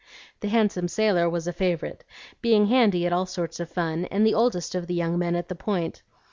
The handsome sailor was a favorite, being handy at all sorts of fun, and the oldest of the young men at the Point.